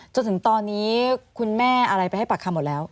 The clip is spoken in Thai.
จนถึงตอนนี้คุณแม่อะไรไปให้ปากคำหมดแล้ว